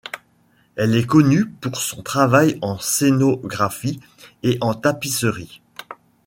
Elle est connue pour son travail en scénographie et en tapisserie.